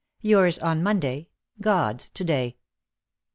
*^*^ YOURS ON MONDAY^ GOD^S TO DAY.